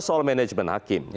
yang kedua soal manajemen hakim